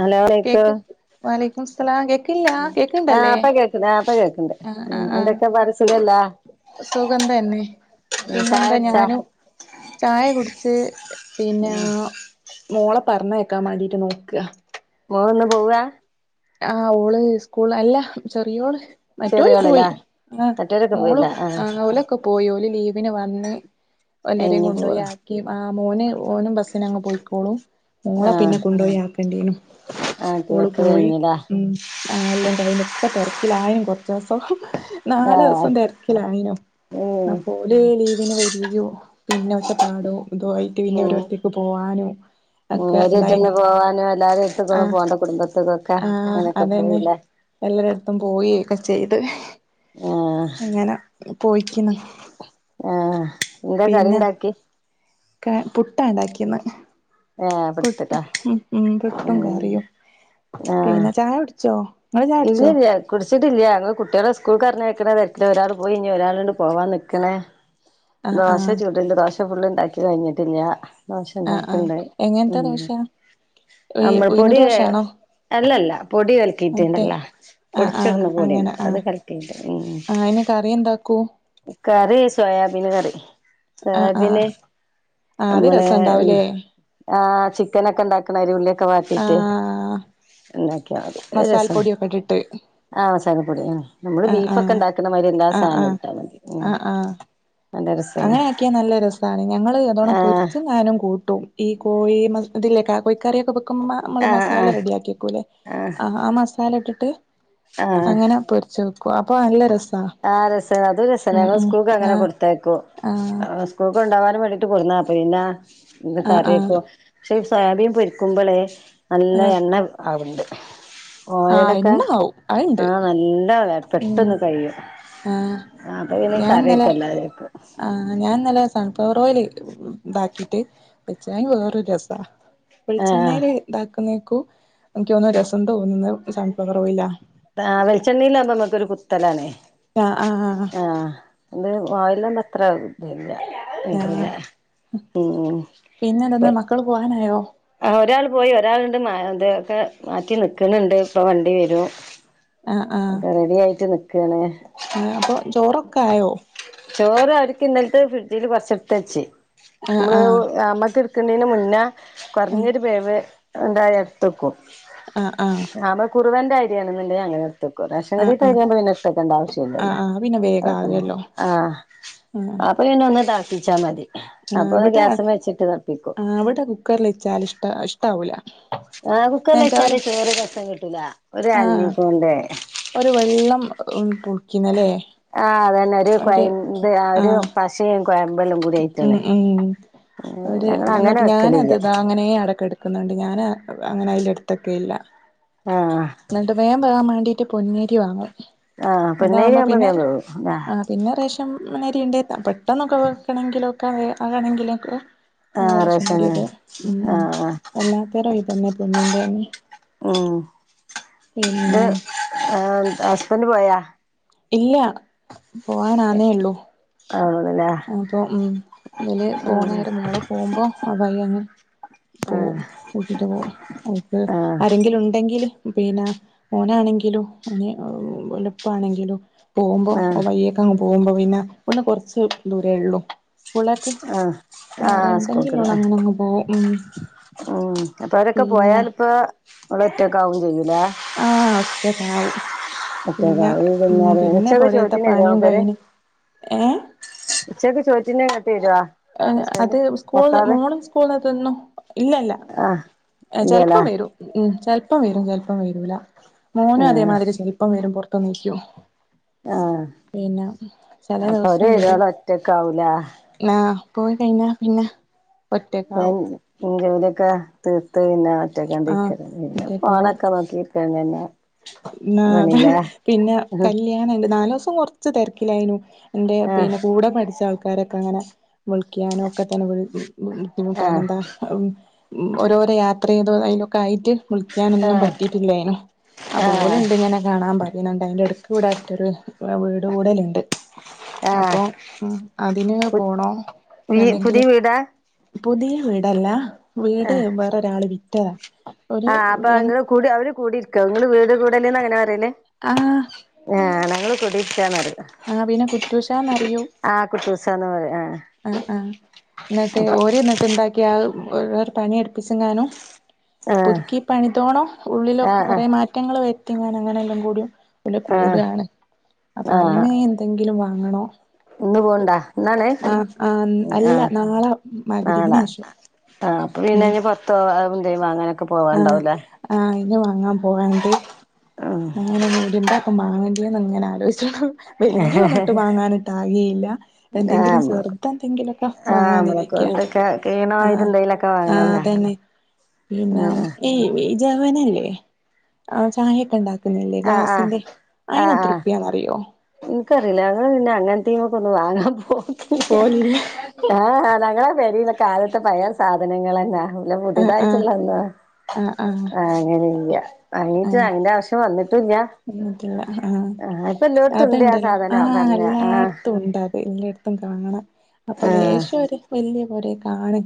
Hello കേക്ക് വലക്കം സ്ലാം കേക്കില്ല ആ കേക്കണ്ടല്ലേ ഇപ്പ കേക്കണ്ട് ആ ഇപ്പ കേക്കണ്ട് ആ ആ ഉം ആ എന്തൊക്കെ പാട് സുഖല്ലേ സുഗന്ധന്നെ ഉം ചായ പിന്നെന്താ കുടിച്ചാ ഞാനും ചായ കുടിച്ച് പിന്നെ മുള പറഞ്ഞേക്കാൻ വേണ്ടിട്ട് നോക്കുക പോന്ന് പോവാ ആഹ് ഓള് സ്കൂൾ അല്ല ചെറിയ ള് മറ്റോര് ചെറിയോളല്ലേ പോയി ആ മറ്റോരൊക്കെ മോള് പോയില്ല ആ അവഓലൊക്കെ പോയി ഓല് ലീവ് പിന്നെ വന്ന് വല്ലരെയയും കഴിഞ്ഞ് പോവാ കൊണ്ടുപോയി ആക്കി ആ മോന് പോനും ബസ്സിനങ്ങ് പോയിക്കോളും ആ മോളെ പിന്നെ കൊണ്ടു പോയി ആക്കേണ്ടിരും ആ കക്ക കഴിഞ്ഞലാ ഉം ആ എല്ലാം കഴൊക്കെ തിരക്കിലായനും കുറച്ച ദിവസം ആ നാലൊസം തിരക്കിലായിനും ഉം അപോല് പിന്നെ വരികയോ പിന്നെ വെച്ചപ്പാടോ ഇത ആയിട്ട് പിന്നെ ഓരോരുത്തേക്ക് പോകാനോ ഉ ഒരുട്ടൊന്ന് പോവാനോ എല്ലാരും ഇട്ടക്കൊന്നും പോകണ്ട കുടുംബത്തക്കൊക്കെ ആഹ അതന്നെ എല്ലരും അ പോവൊക്കെ ചെയ്ത് ആ അങ്ങനെ പോയിക്കുന്നു ആഹ ഇന്താ കറിണ്ടാക്കി പുട്ടാ ഉണ്ടാക്കിന്ന് ആ ഇപ്പ പുട്ടും എടുത്തിട്ടാ ഉ ഉം പുട്ടും ഉം കറിയും പിന്നെ ചായ കുടിച്ചോ ഇങ്ങള് ചായ കുടിച്ചോ ഇല്ലല്ല കുട് കുട്ടില്ല ഞങ്ങള് കുട്ടികുടെ സ്കൂൾക്ക് പറഞ്ഞയക്കണ തരക്ക്ലാ ഒരാൾ പോയി ഇനി ഒരാളണ്ട് പോവാൻനിക്ക്ന് ആഹ് ദോശ ആഹ് ചൂട്ണ്ട് ദോശ ഫുള്ള ഇണ്ടാക്കി കഴിഞ്ഞിട്ടില്ലഞ ദോശ ആഹ് ആഹ് ഉണ്ടാക്കണ്ട് ഉ എങ്ങനത്തെ ദോശ നമ്മൾ ഉഴുന്ന് പൊടി ദോശയാണോ അല്ലല്ല പൊടി ക ൽക്കിയിട്ട മറ്റേ ല്ല ആഹ് പൊടിച്ച ആഹ് കൊടന്നപ്പൊടി അങ്ങനെ ഇണ്ട് അത് ആഹ് കലക്കിട്ട് ആഹ് അയിന് കറി എന്താക്കൂ കറി സോയാബീന് കറി ആഹ് ആഹ് പിന്നെ ആഹ് അത് നമ്മളെ രസണ്ടാവൂലേ ആ ചിക്കനൊക്കെ ഉണ്ടാക്കണാതിരി ഉ ള്ളിയൊക്കെ വാട്ടിയിട്ട് ആഹ് എണ്ടാക്കിയാ മതി അ രസാ പൊടിയൊക്കെ ഇട്ട ഇട്ട് ആഹ് മസാലപ്പൊടി ഉം നമ്മള് ബീഫൊക്കെ ഉണ്ടാക്കുന്നമാതിരി എല്ലാ ആഹ് സാധനവും ആഹ് ഇട്ടാൽ മതി ഉ ആഹ് ആഹ് അങ്ങനെ ആക്കിയാ നല്ല രസമാണ് ഞങ്ങള് അതോണ ആഹ് പൊരിച്ചും ഞാനും കൂട്ടും ഈ കോഴി ഇതിലേക്ക കോഴക്കറിയൊക്കെ നമ്മള് ആഹ് മസാല ആഹ് റെഡി ആക്കിക്കൂല്ലേ ആഹ് ആ ആ മസാല ഇട്ടിട്ട് അങ്ങനെ പൊരിച്ചു വെക്കു അപ്പൊ നല്ല രസ ആ രസന അത് രസന സ്കൂൾക്ക് അങ്ങനെ ആഹ് കൊടുത്തേക്കോ ആഹ് സ്കൂൾക്ക് ഉണ്ട വേണ്ടിട്ട് കൊറന്നാ പിന്നെ എ ആഹ് ആഹ് കറിയക്കോ പക്ഷെ സൊയാബി പൊരിക്കുമ്പോളേ നല്ല ആഹ് എണ്ണ ആകണ്ട് ആഹ് ഓയലൊക്കെ എണ്ണ ആവും അത്ണ്ട് ആഹ നല്ല ഉം പെട്ടന്ന് കഴിയും ആഹ് ആ അപ്പൊ ഇന കറിക്കല്ല അതക്ക നല്ല രസമാണ് ഫ്ലവർ ഓയില് ഇതാക്കിട്ട് വെച്ചാ വേറൊരു രസാ ആഹ് വെളിച്ചെണ്ണേല് ഇതാക്കുന്നേക്കും എനിക്ക് തോന്നുന്നു രസം തോന്നുന്നത് സൺഫ്ലവർ ഓയിലിലാ ആ വെളിച്ചെണ്ണേലാവുമ്പോ നമ്മക്കൊരു കുത്തലാണേ ആഹ് ആഹ് ആ അത് ഓയിലിന്ന് എത്ര ആഹ് പിന്നെ എന്തെന്നാ [unintelligible] മക്കള് പോവാനായോ ഒരാള് പോയി ഒരാള്ണ്ട് ഇതൊക്കെ മാറ്റി നിക്ക്‌ണ്ണ്ട് ഇപ്പൊ വണ്ടി വരും ഇത് റെഡിയായിട്ട് നിക്കാണ് ആ അപ്പൊ ചോറൊക്കായോ ചോറ് അവര്ക്ക് ഇന്നല്ത്തെ ഫ്രിഡ്ജില് കൊറ്ച്ട്ത്തച് ആഹ് മ്മള് ആഹ് അമ്മക് ക്ന്നേന് മുന്നേ ആഹ് കൊറ്ഞ്ഞൊരു പേവ് ഇണ്ടായാ ഇട്ത്തക്കും ആ ആ കുറുവന്റെ അരിയാണെന്നുണ്ടെങ്കി അങ്ങനെ ആഹ് ആഹ് [unintelligible] ആവശ്യം ആഹ് ഇല്ലല്ലോ ആഹ് പിന്നെ വേഗം ആകല്ലോ ആ അപ്പൊ പിന്നെ അങ്ങനെയിതാക്കിച്ചാ മതി ആ അപ്പൊ ഒന്ന് അവടെ ഗ്യാസ്മ്മെ വെച്ചിട്ട് തളപ്പിക്കും ആ അവടെ കുക്കറില്ച്ചാൽ ഇഷ്ട ഇഷ്ടാവൂല ആ കുക്കറില് വെച്ചാല് ഇത്രയൊരു രസം കിട്ടൂല ഒരു ആ അല്ലികൊണ്ട് ഒരു വെള്ളം പുളിക്കുന്നല്ലേ ആ അതന്നെ ഒരു കൊയമ്പ് ആ ഒരു ആഹ് പശേം കൊയ്മ്പെല്ലാം കൂടിയായിട്ടുള്ളെ ഒര് വന്നിട്ട് ഞാനത് താ അങ്ങനെയേ അവടെ കെട്ക്കണുണ്ട് ഞാന് അങ്ങനെ അയ്ല്ട്ത്തെക്കില്ല ആഹ് ന്നിട്ട് വേം വേകാം വേണ്ടി പൊന്നേരി വാങ്ങും ആഹ് പൊന്നരി അതാകുമ്പോ ആവുമ്പോ പിന്നെ വേഗം വേവും ആ പിന്നെ റേഷൻ നരി ഉണ്ടേൽ പെട്ടെന്നൊക്കെ വെക്കണങ്കിലോക്കെ [unintelligible] ആ റേഷനരി ഇടും ഉം ആ ഉം ആ വല്ലാത്തരി തന്നെ പൊന്നിന്റെ തന്നെ ഉം ഇത് പിന്നെ ഹസ്ബന്റ് പോയാ ഇല്ല പോവാനാന്നേ ഒള്ളൂ ആണല്ലേ അപ്പൊ ഉം വല് ഉം പോണേരം മ്മള് പോകുമ്പോ ആ വഴിയങ്ങ് പോവും ആഹ് കൂട്ടിട്ട് പോകും ഇപ്പം ആഹ് ആരെങ്കിലും ഉണ്ടെങ്കില് പിന്നെ ഓനാണെങ്കിലും ഓന് എളുപ്പാണെങ്കിലും പോകുമ്പോ ആഹ് വയ്യൊക്കെ അങ്ങ് പോകുമ്പോ പിന്നെ ഒന്ന് കൊറച്ച് ദൂരേ ഒള്ളു സ്കൂളേക്ക് ആഹ് പിന്നെ ആഹ് ആരെണ്ടെങ്കില് സ്കൂൾക്ക് അങ്ങനങ്ങ് പോവും ഉം ഉം അപ്പ അവരൊക്കെ പിന്നെ പോയാലിപ്പോ ഇങ്ങള് ഒറ്റക്കാവും ചെയ്യും ആ ഒറ്റക്കാവും ഒറ്റക്കാ പിന്നെ ഉം വൈകുന്നേരം പിന്നെ ഉച്ചക്ക് പൊരേത്തെ ചോറ്റിന് വരോ പണിം മൂപ്പര് കഴിഞ്ഞ് ഏ ഉച്ചക്ക് ചോറ്റിന് വരോ ഹസ്ബൻഡ് അത് സ്കൂൾന്ന് ഭർത്താവ് മോള് സ്കൂൾന്ന് തിന്നും ഇല്ലല്ല ആഹ് ഇല്ലല്ലേ ചേലപ്പം വരും ഉം ചെല പ്പം വരും ചെലപ്പം വരൂല മോന് ആഹ് അതേമാതിരി ചെലപ്പം വരും പൊറത്തു വന്ന് നിക്കും ആഹ് പിന്നെ ചെല അപ്പൊ ദിവസം അവര് വരും വരുവോളം ഒറ്റക്കാവൂലേ ആ പോയി കഴിഞ്ഞാ പിന്നെ ഒറ്റക്കാവും [unintelligible] ജോലിയൊക്കെ തീർത്ത് പിന്നെ ആ [unintelligible] പിന്നെ ഒറ്റക്കാവും ഫോണൊക്കെ നോക്കി തന്നെ പണില്ലേ പിന്നെ ആഹ് കല്യാണംണ്ട് നാലൂസം കൊറച്ച് തെരക്കിലായിനു എന്റെ പിന്നെ കൂടെ പഠിച്ച ആൾക്കാരൊക്കെ അങ്ങനെ വിളിക്കാനും ഒക്കെ തന്നെ ബുദ്ധിമുട്ട് ആഹ് അയ്നെന്താ ഓരോരോ യാത്ര ചെയ്തു അയ്ലൊക്കെ ആയിട്ട് വിളിക്കാനൊന്നും ആഹ് പറ്റീട്ടില്ലായിനു അപ്പൊ ആഹ് ഓലുണ്ട് ഇങ്ങനെ കാണാൻ പറേണുണ്ട് അയ്ന്റെ ഇട്ക്ക് ഇവിടെ അടുത്തൊരു വീട് കൂടല് ഇണ്ട് ആഹ് അപ്പൊ ഉം അതിന് പോണോ പുതിയ എന്തെങ്കിലും വീടാ പുതിയ വീടല്ല വീട് വേറൊരാള് വിറ്റതാ ഒരു ആ അപ്പൊ ര ഇങ്ങള് കൂടി അവര് കൂടീരിക്കൊ ഇങ്ങള് വീട് കൂടെല്ന്നങ്ങനെ പറ ന്നേന് ആ ആ ഞങ്ങള് കുടിയിരിക്കാന്ന് പറയും ആ പിന്നെ കുറ്റൂശാന്നറിയൂ ആഹ് കുട്ടൂസാന്ന് പറയും ആഹ് ആ ആ എന്നിട്ട് അപ്പ ഓര് എന്നിട്ട് എന്താക്കിയാവു ഓരോരോ പണി അടുപ്പിച്ചെങ്ങാനും ആഹ് പുതുക്കി പണിതോണോ ഉള്ളിലൊക്കെ ആഹ് കുറെ ആഹ് മാറ്റങ്ങൾ വരുത്തിങ്ങനെ അങ്ങനെല്ലാം കൂടി വില ആഹ് കൂടാണ് അപ്പൊ ആഹ് അയിന് എന്തെങ്കിലും വാങ്ങണോ ഇന്ന് പോണുണ്ടാ ഇന്നാണ് ആഹ് ആഹ് അല്ല ആഹ് നാളെ മഗ്‌രിബിന് നാളാ ശേഷം ആ അപ്പൊ പിന്നെ പത്തോ ന്തോ അങ്ങനെ. ആഹ ആഹ അയിന് വാങ്ങാൻ പോവാണ്ട് ഉം അങ്ങനെ കൂടിന്താ അപ്പ മാങ്ങേണ്ടിയന്ന് ഇങ്ങനെ ആലോചിച്ചോ.. വല്ല്യയൊന്നൊട്ട് ആഹ് വാങ്ങാനിട്ടാ ആകയില്ല എന്തെങ്കിലും നമ്മളെ ചെറുത എന്തെങ്കിലുക്കെ വാങ്ങാനിരിക്കും. എന്തൊക്കെ കീണമായിത് ണ്ടെലൊക്കെ വാങ്ങണല്ലേ പിന്ന ഏ എ ജവനല്ലേ ആ ചായയൊക്കെ ണ്ടാക്ക... ക്കുന്നില്ലേ ആഹ് ആഹ് ഗ്ലാസിന്റെ അയിനേതൃപ്പ്യാന്ന്റിയോ എനിക്കറിയില്ല ഞങ്ങള് പിന്നെ അങ്ങൻത്തീമ്മക്ക് ഒന്നും വാങ്ങാൻ പോ പോലില്ല ആഹ ഞങ്ങളെ പേരിലൊക്കെ ആദ്യത്തെ പയേ സാധനങ്ങളെ ന്നെ ല്ല ആഹ് ആഹ് പുതിയതായിട്ടുള്ളന്താ ആഹ് ആഹ് അങ്ങനിംല്ലാ അങ്ങീട്ട് അയിന്റെ ആവശ്യം വന്നിട്ട... [unintelligible] ആഹ ഇപ്പൊ എല്ലോടത്തും ഉണ്ട് ആ അത്ണ്ടല്ലോ സാധനം ആഹ പറഞ്ഞ ആഹ് എല്ലാത്തും ഉണ്ടാ... പ്പല്ലായിടത്തും കാണണം അപ്പൊ ആഹ് ലേശോര് വല്ല്യ പോരെ കാണു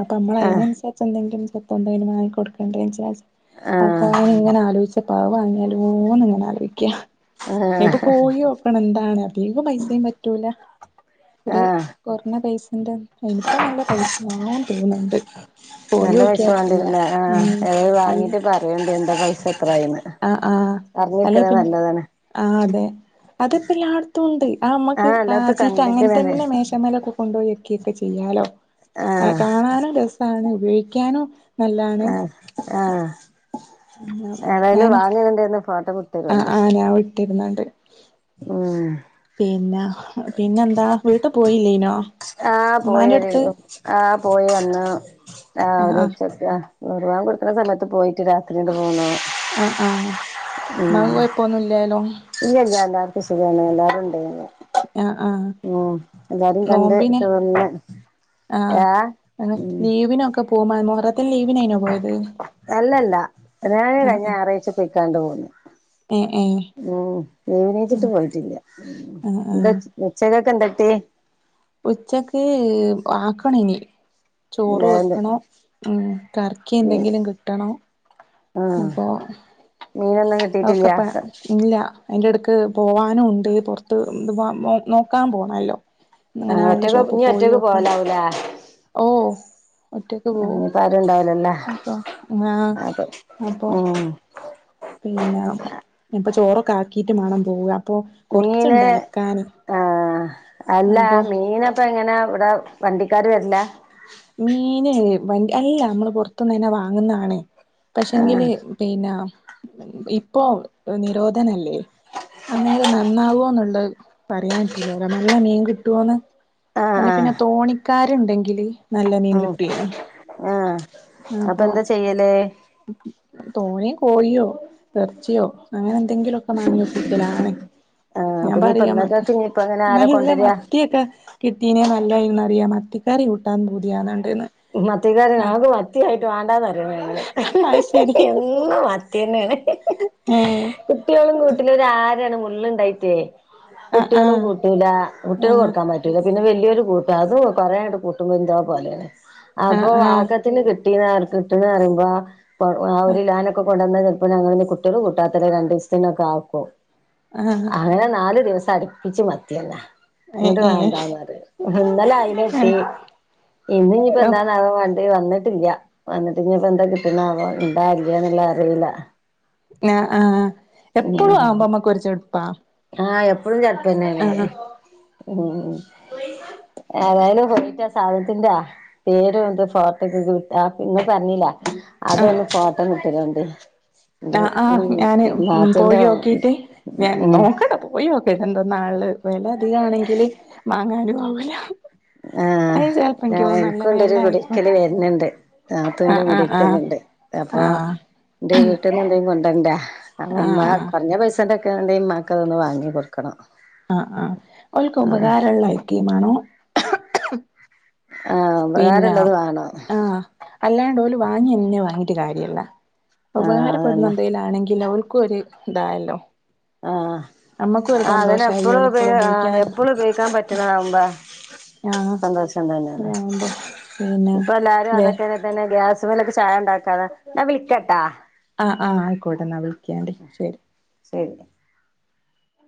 അപ്പൊ നമ്മൾ ആഹ് അയിനൻ സരിച്ച് എന്തെങ്കിലുംചെറുത് എന്തെങ്കിലും വാങ്ങി കൊടുക്കേണ്ടെ വിജാരിച്ചേ അപ്പൊ അവൻ ആഹ് ഇങ്ങനെ ആലോചിച്ചപ അത് വങ്ങിയാലോ ന്ന് ഇങ്ങനെ ആലോയിക്ക ആഹ് എപ്പൊ പോയി ഓക്കണം എന്താണ് അധിക പൈസയും പറ്റൂല ഒരു ആഹ് കൊറഞ്ഞ പൈസ ഇനിപ്പോ നല്ല പൈസാവും തോന്ന്ണ്ട് [unintelligible] നല്ല പൈസ വണ്ടിരുന്നേ ആ ത് വാങ്ങീട്ട് പറയണ്ട എന്താ പൈസ എത്രായിന്ന് ആ ആഹ് അല്ലെ അറിഞ്ഞിരിക്കണത് പിന്നെ നല്ലതാണ് ആഹ അതെ അത്പ്പ ല്ലായിടത്തും ഉണ്ട് ആ നമ്മക്ക് ആഹ് ആ എല്ലായിടത്തും ചീറ്റ അങ്ങനെ കണ്ടിക്കണത് തന്നെമേശമേല ഒക്കെ കൊണ്ടോയി വേ ക്കെ ചെയ്യാലോ ആ ആഹ് കാണാനും രസണ് ഉപയോഗിക്കാനും.. നല്ലാണ് ആഹ് ആഹ് പിന്നെ ഏതായാലും ഞാന് വാങ്ങാണ്ന്ന് ണ്ടേന്ന് ഫോട്ടം ആഹ് വിട്ടൊരോണ്ടി ആഹ് ഞാൻ ഉം പിന്ന പിന്നെന്താ വീട്ടു പോയില്ലേനോ? ആഹ് പോയി ഉമ്മാന്റെ അടുത്ത് വരേണു ആഹ പോയി വന്നു ആ ആഹ് ഒരു ആഹ് ഉച്ചക്ക്. മരിബാങ് കൊടുക്ണ സമയത്ത് പോയിറ്റ് രാത്രി ഇങ്ങട്ട് പോന്നു. ആഹ ആഹ ആ് ഉ ഇല്ലല്ല എല്ലാർക്കും സുഖണ് എല്ലാരുണ്ടേനി. ആഹ് ആഹ് ഉ എല്ലാരും കണ്ട്ഒക്കെ വന്ന് ആഹ ഏഹ് അ ഉം ലീവിനൊക്കെ പോ മൊഹറത്തിൽ ലീവിനെയിനോ പോയത്? അല്ലല്ല ഞാന് ആഹ് കഴിഞ്ഞ ഞാറാഴച്ച പോയ്‌ക്കാണ്ട് പോന്നു. ഏഹ് ഏഹ് ഉ ലീവ്നെച്ചിട്ട് പോയിട്ടില്ല. ആഹ് എന്ത ആഹ് ഉച്ചക്കക് എന്ത?.. റ്റെ [unintelligible] ഉച്ചക്ക് ആക്കണ ഇനി ചോറ് എന്താണ്ട് വെക്കണോ ഉ കറക്കി ന്തെങ്കിലും കിട്ടണോം ആഹ മീനെ കി ഒതക്കെപ ഇല്ല അയിന്റെ ഇടക്ക് പോവാനും ഉണ്ട് പുറത്ത് [unintelligible] നോക്കാം പോണല്ലോ ആഹ് അങ്ങനെയള്ള ഒറ്റക്ക് ഷോപ്പ് ഇനി പോയി ഒറ്റക്ക് നോക്കണം ഓ ഇഞ്ഞിപ്പാരും ണ്ടാവലല്ലേ അപ്പം ആഹ് അതെ അപ്പൊ ഉം [inaudible] പിന്നെ ഇപ്പൊ ചോറൊക്കെ ആക്കീട്ട് മാണം പോവുക മീന് ആ അല്ല അപ്പൊ മീനപ്പങ്ങനെ? അവിടെ വണ്ടിക്കാര് വരില്ല? മീന് വ അല്ല നമ്മള് പുറത്ത തന്നെ വാങ്ങുന്നണെ. ആഹ് പശേങ്കില് പിന്നെ ഇപ്പോ നിരോധനല്ലേ? അന്നേരം നന്നാവോന്നുള്ള പറയാൻ പറ്റൂല നല്ല മീൻ കിട്ടോന്ന്. ആഹ് അല്ല ആഹ് പിന്നെ തോണിക്കാര്ണ്ടെങ്കില് നല്ല മീൻ ഉം കിട്ടേനു. ആഹ് അപ്പൊ എന്താ ചെയ്യല് തോനെയുകോഴിയോ എർച്ചിയോ അങ്ങനെ എൻ എന്തങ്കിലൊക്കെ മാങ്ങി ഒപ്പിക്കലാണ് ആഹ് ഞാൻ അപ്പൊ ഇനിയിപ്പ പറയാ മ ഇന്നത്തേക്ക് ഇനിയിപ്പ അങ്ങനെ ആരാ നല്ല കൊണ്ടരാ മത്തിയൊക്കെ കിട്ടീനേ നല്ല [unintelligible] എന്ന് അറിയോ മത്തിക്കറി കൂട്ടാൻ പൂതിയാന്ന്ണ്ട്ന് മത്തിക്കാരൻ ഞങ്ങക്ക് മത്തിയായിട്ട് വാണ്ടാന്ന് പറയല് ഞങ്ങള് അത് ശരി എന്നും മത്തിന്നെ ആണ്. ഏഹ് കുട്ടിയളും കൂട്ടൂല ഒരു ആരാണ് മുള്ള്ണ്ടായ്ട്ടെ. ആഹ് കുട്ടിയളും ആഹ് കൂട്ടൂല. കുട്ട്യാൾക് ആഹ് കൊടുക്കാൻ പറ്റൂല. പിന്നെ വല് വല്യോല് കൂട്ടും. അത് കൊറേണ്ട് കൂട്ടുമ്പോ എന്തൊ പോലെയാണ് അപ്പൊ ആഹ് ആഹ് ആക്കത്തിന് കി ട്ടീന്ന് കിട്ട്ണ് അറിമ്പോ ആ ഒര്ലോനൊക്കെ കൊണ്ട ന്നാ ചെൽപ്പം ഞങ്ങള് കുട്ടിയള് കൂട്ടാത്തല്ല രണ്ടീസ്ത്തിനൊക്കെ ആക്കും. ആഹ് അങ്ങനെ നാല് ദിവസ സടിപ്പിച്ച് മത്തിയെന്നെ. ഇങ്ങട്ട് ഏഹ് വേണ്ടാന്ന് ഏഹ് പറയും. ഇന്നലെ അയിലട്ടി. ഇന്ന്ഞ്ഞ് പ്പം ആഹ് എന്താന്നാവോ വ ണ്ടി വന്നിട്ടില്ല. വന്നിട്ട്ഞ്ഞ്പ്പം എന്താ കിട്ടണാവം ഇണ്ടാ ഇല്ലേ എന്ന്ള്ള അറീല. ആ ആഹ് എപ്പളും ആവുമ്പോ അ മ്മക്കൊര് ചൊട്പ്പാ. ആഹ് എപ്പളും ചട്പ്പെന്നാണെ. ഏതായാലും പോയിട്ട് ആ സാധനത്തിന്റെ പേരും ന്ത് ഫോട്ടൊക്കെ വിട്ടാ ഇങ്ങള് പർ ഞ്ഞീലെ അതൊന്നും ഫോട്ടോ വിട്ടരോണ്ടി. ആ എന്റെ ആഹ് ഉം ഞാന് നാത്തൂന്റെ പോയോക്കീട്ട് ഞാൻ ഉം നോക്കട്ടെ പോ പോയോക്കട്ടെ എന്ത്‌ന്നാ ഇളള വെ ല അധികാണെങ്കില് മാങ്ങാനും ആവൂല. അത് ചെലപ്പോ ഇൻക്ക് ആഹ തോന്ന്ണ് നല്ല എൻക്കുണ്ട് ഒര് വെലായിരിക്കും കുടീര്ക്കല് വര്ന്ന്ണ്ട്. നാത്തൂന്റെ ആഹ് ആഹ് ആഹ് കൂടിയിരിക്കല്ണ്ട്. അപ്പൊ ആഹ് ന്റെ വീട്ടിന്ന് എന്തെങ്കിലും കൊണ്ടരണ്ടെ. ഞങ്ങളെമ്മാ ആഹ് ആഹ് കൊർഞ്ഞ പൈസന്റെ ഒക്കെണ്ടേ ഇമ്മാക് അതൊന്ന് വാങ്ങി കൊട്ക്കണം. ആ ആഹ് ഓൽക്ക് ഉപകാരള്ള ഐക്കീമാണോ? ആഹ് പിന്നെ ഉപകാരമുള്ളത് വേണം ആഹ് അല്ലാ ഓല് വാങ്ങിയന്നെ വാങ്ങിട്ട് കാര്യല്ല. ആഹ് ഉപകാരപ്പെടുന്ന അതന്നെ എന്തെങ്കിലും ആണെങ്കില് ഓൽ ക്കും ഒര് ഇതായല്ലോ. ആ നമ്മക്കും ഒരു ആ അതെന്നെ സന്തോഷായി എപ്പളും ഓല് ഉപയോ ആ ഉപയോഗിക്കാൻ എപ്പളും ഉപയോഗിക്കാൻ പറ്റ്ണ ആവ്മ്പോ ആഹ് സന്തോഷം തന്നെയല്ലെ. അതാവുമ്പോ പിന്നെ ഇപ്പൊ എല്ലാരും വേ അതൊക്കെ തന്നെ ഗ്യാസ് മ്മലൊക്കെ ചായ ഇണ്ടാക്ക ന്നാ വിളിക്കട്ടാ. ആഹ് ആഹ് ആയിക്കോട്ടെ എന്നാ വിളിക്കാണ്ടി ശരി ശരി.